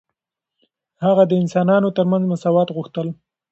هغه د انسانانو ترمنځ مساوات غوښتل.